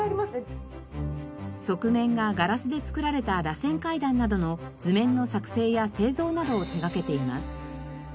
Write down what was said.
側面がガラスで作られたらせん階段などの図面の作成や製造などを手掛けています。